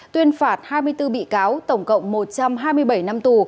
tuyên phạt hai mươi bốn bị cáo tổng cộng một trăm hai mươi bảy năm tù